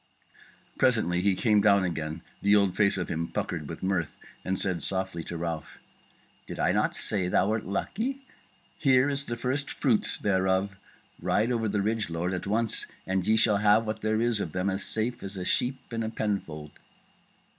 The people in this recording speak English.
Presently he came down again the old face of him puckered with mirth, and said softly to Ralph: "Did I not say thou wert lucky? here is the first fruits thereof. Ride over the ridge, lord, at once, and ye shall have what there is of them as safe as a sheep in a penfold."